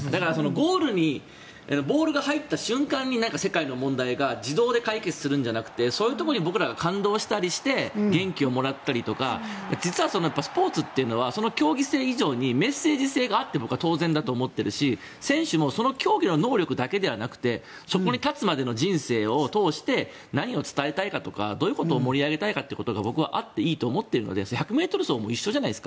ゴールにボールが入った瞬間に世界の問題が自動で解決するんじゃなくてそういうところに僕らが感動したりして元気をもらったりとか実はスポーツというのは競技性以上にメッセージ性があって当然だと思っているし選手もその競技の能力だけではなくてそこに立つまでの人生を通して何を伝えたいかとかどういうことを盛り上げたいかということがあっていいと思っているので１００ｍ走も一緒じゃないですか。